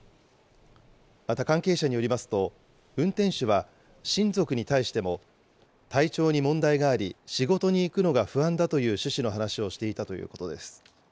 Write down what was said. また関係者によりますと、運転手は、親族に対しても、体調に問題があり、仕事に行くのが不安だという趣旨の話をしていたということです。